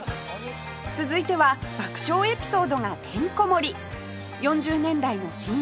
続いては爆笑エピソードがてんこ盛り４０年来の親友